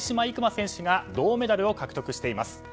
行真選手が銅メダルを獲得しています。